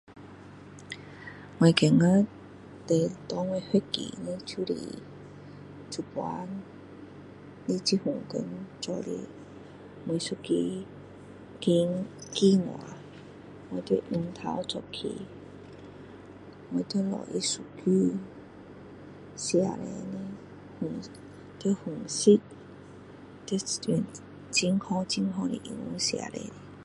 我觉绝 [unintelligible] [unintelligible] [unintelligible] 就是现在的这份工做得每一个经 [unintelligible] [unintelligible] 我就要从头做起我需找那数据，写出来，har 的方式 [unintelligible] [unintelligible] [unintelligible] 要用很好很好的英文写出来的